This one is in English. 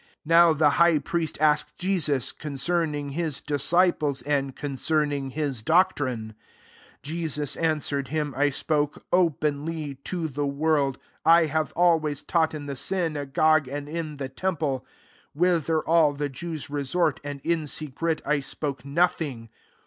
19 Now the high priest ask ed Jesus concerning his disci ples, and concerning his doc trine. 20 Jesus answered him, " I spoke openly to the world ; I have always taught in the sy nagogue, and in the temple, whither all the Jews resort; an<h in secret I spoke nothing.